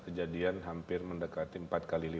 paham menteri pupr